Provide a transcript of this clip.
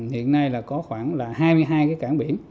hiện nay có khoảng hai mươi hai cảng biển